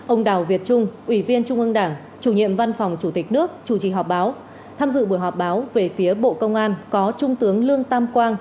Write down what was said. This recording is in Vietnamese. ông đào việt trung ủy viên trung ương đảng chủ nhiệm văn phòng chủ tịch nước chủ trì họp báo tham dự buổi họp báo về phía bộ công an có trung tướng lương tam quang